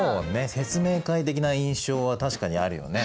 説明会的な印象は確かにあるよね。